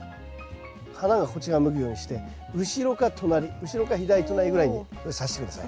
花がこちらを向くようにして後ろか隣後ろか左隣ぐらいにさして下さい。